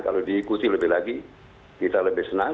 kalau diikuti lebih lagi kita lebih senang